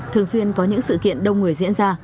thường xuyên có những sự kiện đông người diễn ra